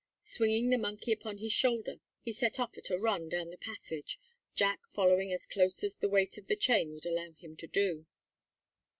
Swinging the monkey upon his shoulder, he set off at a run down the passage, Jack following as close as the weight of the chain would allow him, to do.